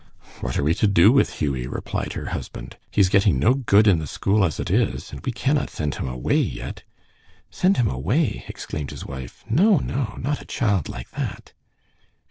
"What are we to do with Hughie?" replied her husband. "He is getting no good in the school as it is, and we cannot send him away yet." "Send him away!" exclaimed his wife. "No, no, not a child like that."